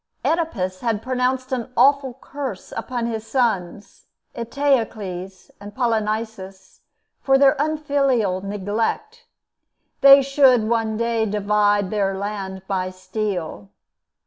Oedipus had pronounced an awful curse upon his sons, Eteocles and Polynices, for their unfilial neglect, "they should one day divide their land by steel."